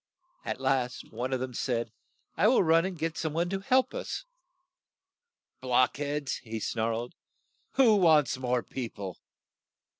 At last one of them said, "I will run and get some one to help us." "Block heads!" he snarled. "Who wants more peo ple?